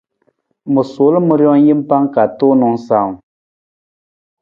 Ma sol ma rijang jampa ka tuunang sawung.